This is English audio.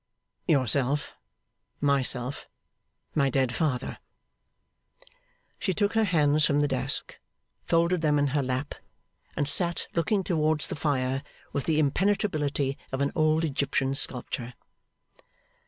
'Yourself, myself, my dead father.' She took her hands from the desk; folded them in her lap; and sat looking towards the fire, with the impenetrability of an old Egyptian sculpture.